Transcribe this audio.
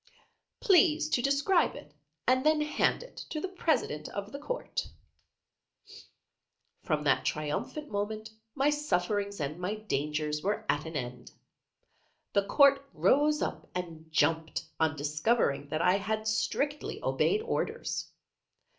"Please to describe it, and then hand it to the President of the Court." From that triumphant moment my sufferings and my dangers were at an end. The court rose up and jumped, on discovering that I had strictly obeyed orders.